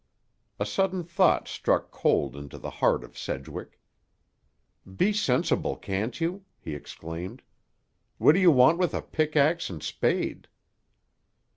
'" A sudden thought struck cold into the heart of Sedgwick. "Be sensible, can't you?" he exclaimed. "What do you want with a pickax and spade!"